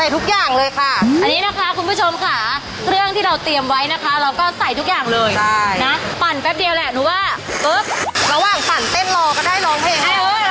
ทุกอย่างเลยค่ะอันนี้นะคะคุณผู้ชมค่ะเครื่องที่เราเตรียมไว้นะคะเราก็ใส่ทุกอย่างเลยนะปั่นแป๊บเดียวแหละหนูว่าระหว่างปั่นเต้นรอก็ได้ร้องเพลง